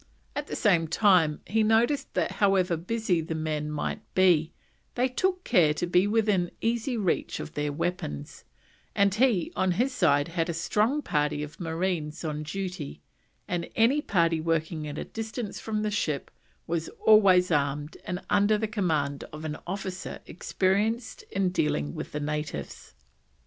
At the same time he noticed that however busy the men might be, they took care to be within easy reach of their weapons; and he on his side had a strong party of marines on duty, and any party working at a distance from the ship was always armed and under the command of an officer experienced in dealing with the natives.